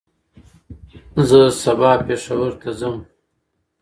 زه به سبا پېښور ته ځم